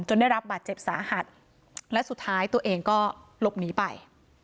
ได้รับบาดเจ็บสาหัสและสุดท้ายตัวเองก็หลบหนีไป